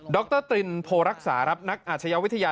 รตรินโพรักษารับนักอาชญาวิทยา